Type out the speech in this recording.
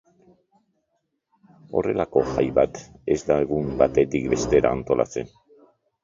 Horrelako jai bat ez da egun batetik bestera antolatzen.